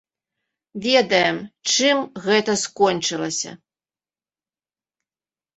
Ведаем, чым гэта скончылася.